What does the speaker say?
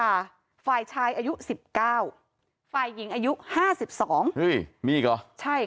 อย่าให้มองม่อนใจ